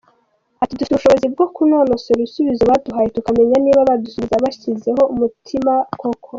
Ati “Dufite ubushobozi bwo kunonosora ibisubizo baduhaye tukamenya niba badusubije babishyizeho umutima koko.